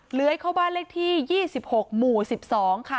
เลื้อยเข้าบ้านเลขที่๒๖หมู่๑๒ค่ะ